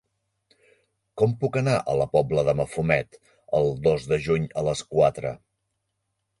Com puc anar a la Pobla de Mafumet el dos de juny a les quatre?